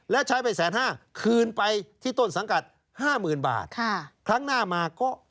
และใช้ไปแสนห้าคืนไปที่ต้นสังกัดห้าหมื่นบาทค่ะครั้งหน้ามาก็